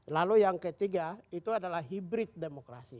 lalu yang ketiga itu adalah hibrid demokrasi